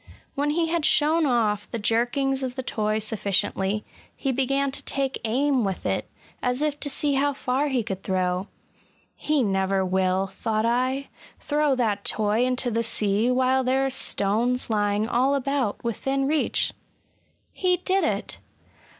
When he had shown off the jerkings of the toy sufficiently, he began to take aim with it, as if to see how far he could throw. He never will," thought I, *' throw that toy into the sea, while there are stones lying all about within reach!" He did it!